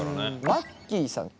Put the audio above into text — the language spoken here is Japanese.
マッキーさん。